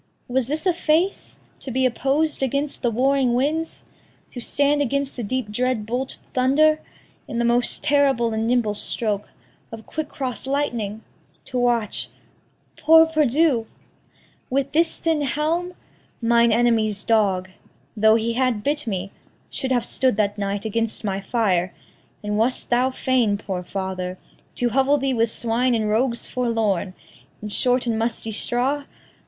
Was this a face To be oppos'd against the warring winds? To stand against the deep dread bolted thunder? In the most terrible and nimble stroke Of quick cross lightning? to watch poor perdu! With this thin helm? Mine enemy's dog, Though he had bit me, should have stood that night Against my fire; and wast thou fain, poor father, To hovel thee with swine and rogues forlorn, In short and musty straw?